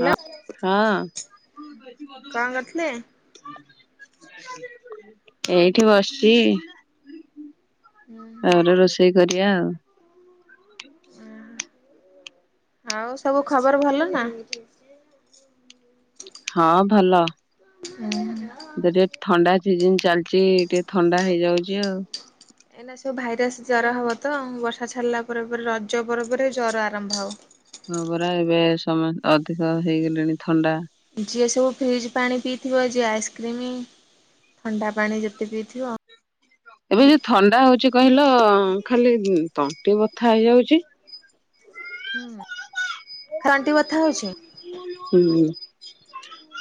ହଁ ହଁ କଣ କରୁଥିଲେ? ଏଇଠି ବସଚି। ଆହୁରି ରୋଷେଇ ଏଇଆ ଆଉ। ଆଉ ସବୁ ଖବର ଭଲ ନା। ହଁ ଭଲ। [inaudible] [unintelligible] ଥଣ୍ଡା ସିଜନ ଜି ଟିକେ ଥଣ୍ଡା ହେଇଯାଉଛି ଆଉ। ଏନା ସବୁ ବେଶ ଜ୍ୱର ହବ ତ ବର୍ଷା ଛାଡ଼ିଲା ପରେ ପରେ ରଜ ପରେ ପରେ ଜର ଆରମ୍ଭ ହବ। ହଁ ପରା ଏବେ ସମ ଅଧିକ ହେଇଗଲେଣି ଥଣ୍ଡା। ଯିଏ ସବୁ ଫ୍ରିଜ ପାଣି ପିଇଥିବ ଯେଏ ଆଇସକ୍ରିମ ଥଣ୍ଡା ପାଣି ଯେତେ ପିଇଥିବ। ଏବେ ଯଉ ଥଣ୍ଡା ହଉଛି କହିଲ ଖାଲି ତଣ୍ଟି ବଥା ହେଇଯାଉଚି। ହୁଁ ତଣ୍ଟି ବଥା ହଉଚି। ହୁଁ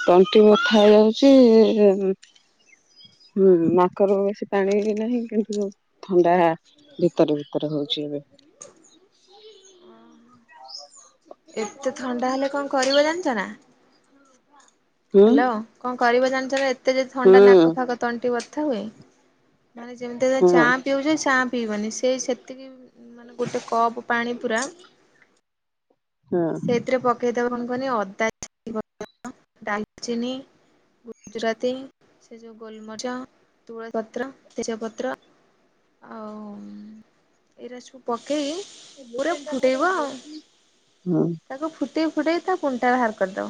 ତଣ୍ଟି ବଥା [unintelligible] ନାକରୁ [inaudible] ଏତେ ଥଣ୍ଡା ହେଲେ କଣ କରିବ ଜାଣିଛ ନା ହୁଁ ହ୍ୟାଲୋ କଣ କରିବ ଜାଣିଛ ନା ଏତେ ଯଦି ଥଣ୍ଡା ହୁଁ ନାକ ଫାକ ତଣ୍ଟି ବ କଥା ହଏ ମାନ ଯେମିତି ହଁ ଚା ପିଉଛ ଚା ପିଇବନି ସେ ସେତିକି ମାନେ ଗୋଟେ କପ୍ ପାଣି ପୁରା ହଁ ସେଇଥିରେ ପକେଇଦବ ନି ଅଦା ଡାଲଚିନି ଗୁଜୁରାତି ସେ ଯୋଉ ଗୋଲମରିଚ ତୁଳସୀ ପତ୍ର ତେଜପତ୍ର ଆଉ ଏଇରାା ସବୁ ପକେଇ ପୁରା ଫୁଟେଇବ ଆଉ ହଁ। ତାକୁ ଫୁ ଗୁଟି ଫୁଟେଇ ତା ପୁଣ୍ଟାଳ ହହାର କରିଦ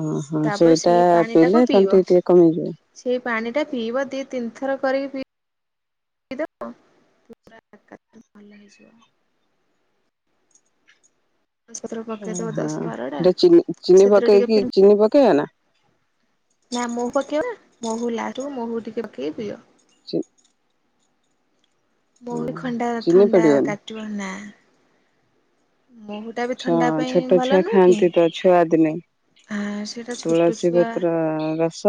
ଓହୋ ସେଇଟା ଟାକୁ ପିଇଲେ ପିଇବ ସେମତି ଟିକେ କମେଇଯିବ ସେଇ ପାଣି ଟା ପିଇବ ଦି ତିନିଥର କରିକି ପିଇ ପିଇବ ଭଲ ହେଇିବ ଓହଁ ସେଟା ଚିନି ଚିନି ସେଥିରେ ଟିକେ ପକେଇକି ଫେରେ ଚିନି ପକେଇ କେ ନା ନା ମହୁ ପକେଇବା ମହୁ ଲାୁ ମହୁ ଟିକେ ପକେଇ ପିଅ ସେ ମଳିକଣ୍ଡା ଚିନି ତଣ୍ଡା ପଡିବନି। କଟିବନ ପାଇଁ ଛୋଟ ଭଲ ଛୁଆ ନୁହେଁ କି ଖାଆନ୍ତି ତ ଛୁଆ ଦିନାଇ ଆ ସେଇଟା ଛୋଟ ତୁଳସୀ ଛୁଆ ପତ୍ର ରସ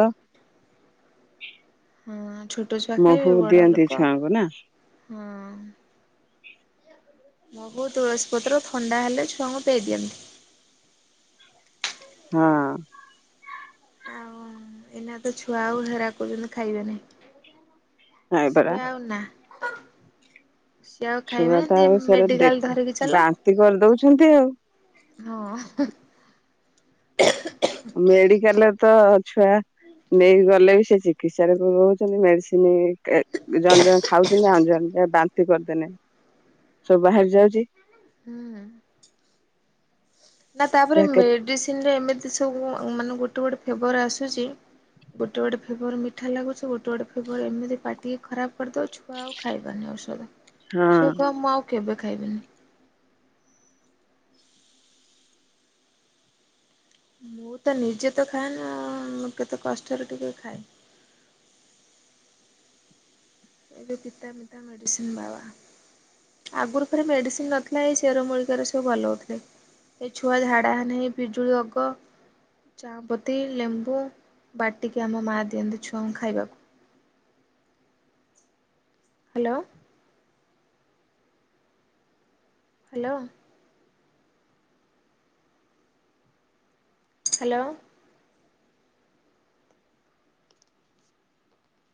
ହଁ ଛୋଟ ଛୁଆ ମହୁ ଖାଇବେ ବଡ ଦିଅନ୍ତି ଲୋକ ଛୁଆଙ୍କୁ ନା ହୁଁ ବହୁ ତୁଳସୀ ପତ୍ର ଥଣ୍ଡା ହେଲେ ଛୁଆଙ୍କୁ ପେଇ ଦିଅନ୍ତି ହଁ ଆଉ ଏନା ତ ଛୁଆ ଆଉ ହେରା କରୁଛନ୍ତି ଖାଇବେନି ନାଇଁ ପରା ସିଆଉ ନା ହ ସିଏ ଆଉ ଛୁଆ ଖାଇବେନ ତ ଟେ ଆଉ ସେରା ଦେଖ ମେଡିକାଲ ଧରିକି ଚାଲ ବାନ୍ତି କରିଦଉଛନ୍ତି ଆଉ ହଁ [inaudible] ମେଡିକାଲ ତ ଛୁଆ ନେଇକି ଗଲେ ବି ସେ ଚିକିତ୍ସାାରେ ରହୁଛନ୍ତି ମେଡିସିନ ଜଞ୍ଜଣ ଖାଉଛନ୍ତି ଅଞ୍ଜଣ ବାନ୍ତି କରିଦେଲେ ସବୁ ବାହାରି ଯାଉଛି ହୁଁ ନା ତାପରେ ମେଡିସିନ ରେ ଏମିତି ସବୁ ଆଉ ମାନେ ଗୋଟେ ଗୋଟେ ଫେଭର ଆସୁଛି ଗୋଟେ ଗୋଟେ ଫେବର ମିଠା ଲାଗୁଛି ଗୋଟେ ଗୋଟେ ଫେଭର ଏମିତି ପାଟିକି ଖରାପ କରିଦେଉ ଛୁଆ ଆଉ ଖାଇବାରୁନି ଔଷଧ ସୁଖ ମା କେବେ ଖାଇବେନି। ମୁଁ ତ ନିଜେ ତ ଖାଏ ନା କେତେ କଷ୍ଟରେ ଟିକେ ଖାଏ। ଏବେ ପିତା ମିତା ମେଡିସିନ ବାବା ଆଗରୁ ଥରେ ମେଡିସିନ ନଥିଲା ଏଇ ଚେରମୂଳିକାରେ ସବୁ ଭଲ ହୋଉଥିଲେ ଏ ଛୁଆ ଝାଡା ହୋନେ ଏ ପିଜୁଳି ଅଗ, ଚାଉପତି, ଲେମ୍ବୁ ବାଟିକି ଆମ ମା ଦିଅନ୍ତି ଛୁଆଙ୍କୁ ଖାଇବାକୁ। Hello hello hello